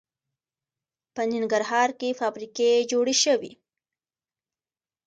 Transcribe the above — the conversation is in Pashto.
په ننګرهار کې فابریکې جوړې شوي